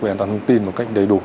về an toàn thông tin một cách đầy đủ